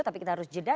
tapi kita harus jeda